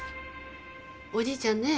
おじいちゃんね